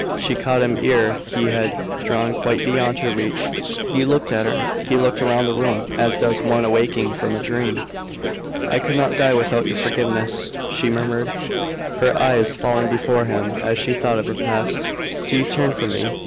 She caught him ere he had drawn quite beyond her reach. He looked at her, he looked round the room, as does one awaking from a dream. "I could not die without your forgiveness," she murmured, her eyes falling before him as she thought of her past. "Do you turn from me?